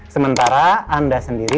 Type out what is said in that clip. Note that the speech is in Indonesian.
sementara anda sendiri